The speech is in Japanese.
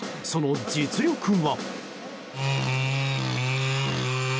その実力は。